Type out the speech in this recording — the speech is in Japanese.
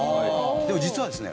でも実はですね